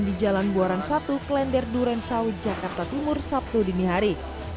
di jalan buaran satu klender duren sawit jakarta timur sabtu dini hari